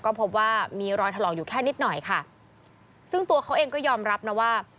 ก็พบว่ามีรอยถลอกอยู่แค่นิดหน่อยค่ะซึ่งตัวเขาเองก็ยอมรับนะว่า